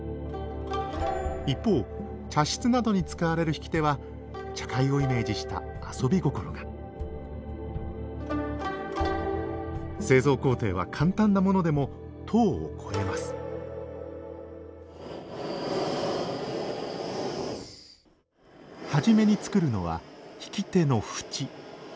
一方茶室などに使われる引き手は茶会をイメージした遊び心が製造工程は簡単なものでも１０を超えます初めに作るのは引き手の縁。